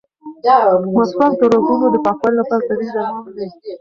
مسواک د رګونو د پاکوالي لپاره طبیعي درمل دي.